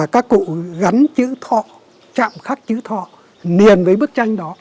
các cụ gắn chữ thọ chạm khắc chữ thọ liền với bức tranh đó